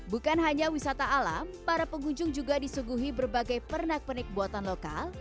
bukan hanya wisata alam para pengunjung juga disuguhi berbagai pernak pernik buatan lokal